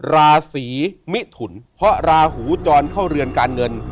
ราศีมิถุนเพราะราหูจรเข้าเรือนการเงิน